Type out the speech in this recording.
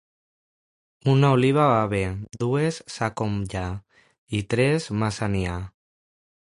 Una oliva bé va; dues, ça com lla, i tres, massa n'hi ha.